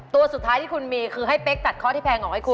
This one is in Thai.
ตัวสุดท้ายที่คุณมีคือให้เป๊กตัดข้อที่แพงออกให้คุณ